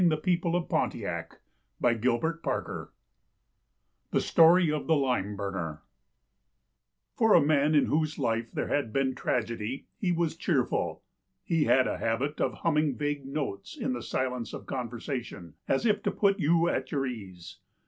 THE STORY OF THE LIME BURNER THE STORY OF THE LIME BURNER FOR a man in whose life there had been tragedy he was cheerful. He had a habit of humming vague notes in the silence of conversation, as if to put you at your ease.